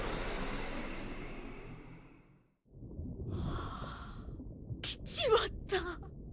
ああ来ちまった。